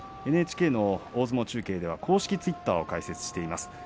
ＮＨＫ大相撲中継では公式ツイッターを開設しています。